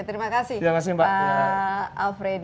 terima kasih pak alfredi